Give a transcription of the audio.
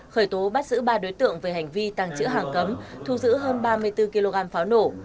khởi tố bắt giữ ba đối tượng về hành vi tàng trữ hàng cấm thu giữ hơn ba mươi bốn kg pháo nổ